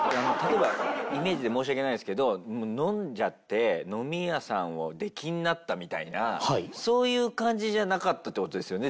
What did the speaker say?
イメージで申し訳ないんですけど飲んじゃって飲み屋さんを出禁になったみたいなそういう感じじゃなかったって事ですよね